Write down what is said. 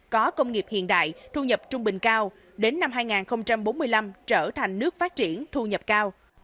có công nghiệp hiện đại thu nhập trung bình cao đến năm hai nghìn bốn mươi năm trở thành nước phát triển thu nhập cao